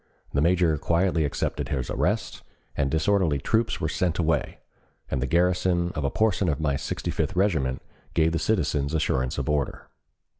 The major quietly accepted his arrest, the disorderly troops were sent away, and the garrison of a portion of my Sixty fifth Regiment gave the citizens assurance of order.